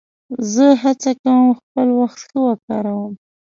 زه هڅه کوم خپل وخت ښه وکاروم.